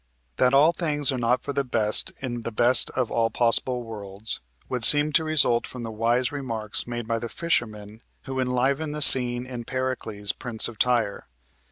That all things are not for the best in the best of all possible worlds would seem to result from the wise remarks made by the fishermen who enliven the scene in "Pericles, Prince of Tyre."